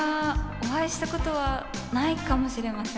お会いしたことはないかもしれません。